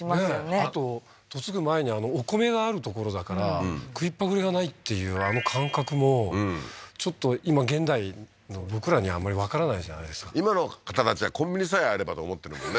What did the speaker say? あと嫁ぐ前にお米がある所だから食いっぱぐれがないっていうあの感覚もちょっと今現代の僕らにはあんまりわからないじゃないですか今の方たちはコンビニさえあればと思ってるもんね